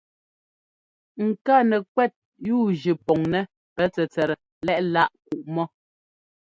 Ŋká nɛkwɛt yúujʉ pɔŋnɛ́ pɛ tsɛtsɛt lɛ́ꞌláꞌ kuꞌmɔ.